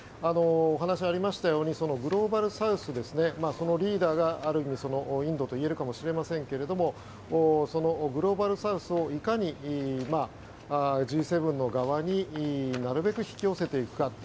話にありましたようにグローバルサウスそのリーダーが、ある意味インドといえるかもしれませんがグローバルサウスをいかにＧ７の側になるべく引き寄せていくか。